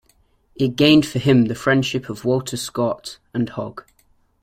It gained for him the friendship of Walter Scott and Hogg.